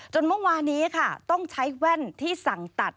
เมื่อวานี้ค่ะต้องใช้แว่นที่สั่งตัด